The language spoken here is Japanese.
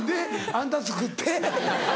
「あんた作って」。